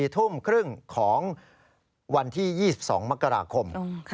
๔ทุ่มครึ่งของวันที่๒๒มกราคม